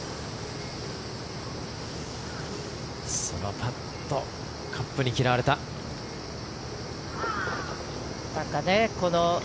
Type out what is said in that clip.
パットカップに嫌われた。